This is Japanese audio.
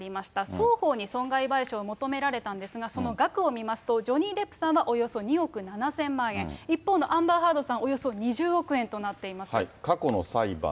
双方に損害賠償を求められたんですが、その額を見ますと、ジョニー・デップさんはおよそ２億７０００万円、一方のアンバー・ハードさん、およそ２０億円となっています。